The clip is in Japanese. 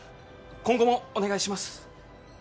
今後もお願いします